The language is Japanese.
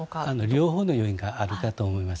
両方の要因があるかと思います。